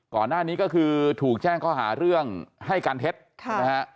ก่อนหน้านี้ก็คือถูกแจ้งข้อหาเรื่องให้การเท็จนะฮะ